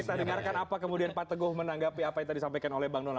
kita dengarkan apa kemudian pak teguh menanggapi apa yang tadi disampaikan oleh bang donald